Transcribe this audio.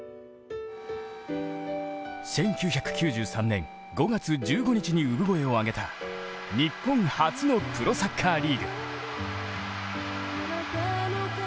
１９９３年５月１５日に産声を上げた日本初のプロサッカーリーグ。